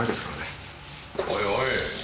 おいおい。